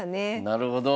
なるほど。